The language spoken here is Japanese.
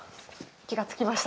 気がつきました？